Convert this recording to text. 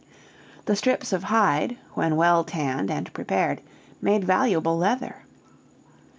The strips of hide, when well tanned and prepared, made valuable leather.